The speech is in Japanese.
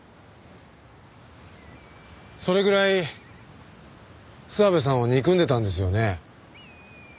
それぐらい諏訪部さんを憎んでたんですよね？